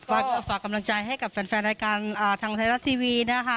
ก็ฝากกำลังใจให้กับแฟนรายการทางไทยรัฐทีวีนะคะ